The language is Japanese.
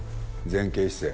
前傾姿勢。